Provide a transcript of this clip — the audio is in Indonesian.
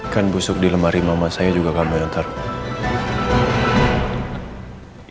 kan busuk di lemari mama saya juga kamu yang ntar